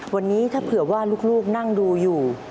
วันนี้ถ้าเผื่อว่าลูกนั่งดูอยู่